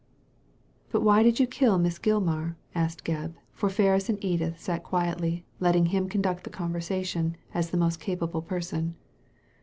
" But why did you kill Miss Gilmar ?" asked Gebb ; for Ferris and Edith sat by quietly, letting him con duct the conversation, as the most capable person.